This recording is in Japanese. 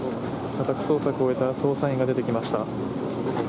家宅捜索を終えた捜査員が出てきました。